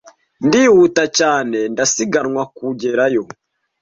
ndihuta cyane ndasiganwa kugerayo